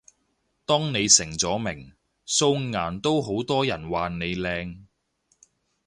當你成咗名，素顏都好多人話你靚